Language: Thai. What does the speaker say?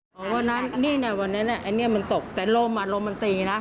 บอกว่าวันนั้นวันนั้นอันนี้มันตกแต่โลมมันตีนะ